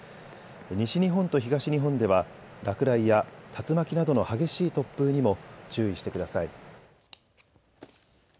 西日本と東日本では落雷や竜巻などの激しい突風にも注意してください。